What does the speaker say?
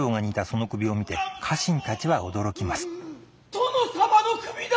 殿様の首だ。